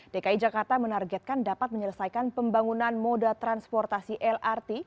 dki jakarta menargetkan dapat menyelesaikan pembangunan moda transportasi lrt